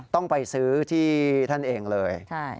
ต้องไปซื้อที่ท่านเองเลย